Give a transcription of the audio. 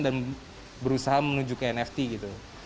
dan berusaha menuju ke nft gitu